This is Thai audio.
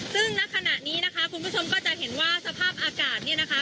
ซึ่งณขณะนี้นะคะคุณผู้ชมก็จะเห็นว่าสภาพอากาศเนี่ยนะคะ